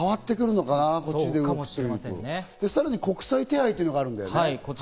さらに国際手配があるんだよね。